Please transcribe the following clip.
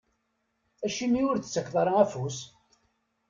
Acimi ur d-tettakeḍ ara afus?